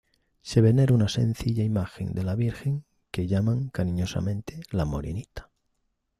Se venera una sencilla imagen de la Virgen que llaman cariñosamente la Morenita.